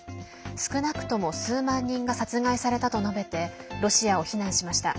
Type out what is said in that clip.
少なくとも数万人が殺害されたと述べてロシアを非難しました。